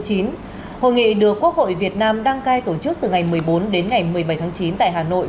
hội nghị được quốc hội việt nam đăng cai tổ chức từ ngày một mươi bốn đến ngày một mươi bảy tháng chín tại hà nội